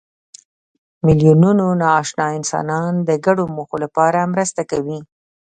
میلیونونه ناآشنا انسانان د ګډو موخو لپاره مرسته کوي.